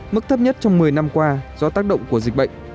mức thấp nhất trong một mươi năm qua do tác động của dịch bệnh